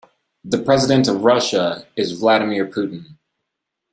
The president of Russia is Vladimir Putin.